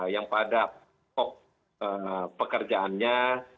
yang pada top pekerjaannya